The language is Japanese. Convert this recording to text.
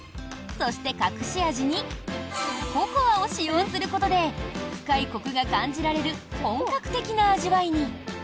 そして、隠し味にココアを使用することで深いコクが感じられる本格的な味わいに！